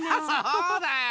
そうだよ！